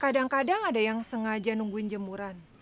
kadang kadang ada yang sengaja nungguin jemuran